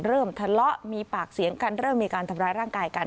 เริ่มทะเลาะมีปากเสียงกันเริ่มมีการทำร้ายร่างกายกัน